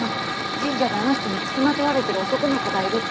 神社であの人に付きまとわれている男の子がいるって。